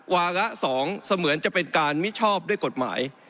วาระ๒เสมือนจะเป็นการมิชอบด้วยกฎหมาย